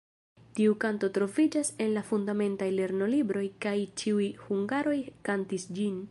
Tiu kanto troviĝas en la fundamentaj lernolibroj kaj ĉiuj hungaroj kantis ĝin.